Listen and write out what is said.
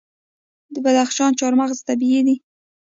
د بدخشان چهارمغز طبیعي دي.